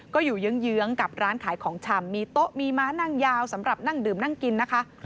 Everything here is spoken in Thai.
ก็อยู่เยื้องกับร้านขายของชำมีโต๊ะมีม้านั่งยาวสำหรับนั่งดื่มนั่งกินนะคะ